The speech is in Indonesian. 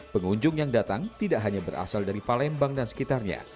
pengunjung yang datang tidak hanya berasal dari palembang dan sekitarnya